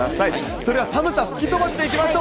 それでは寒さ吹き飛ばしていきましょう。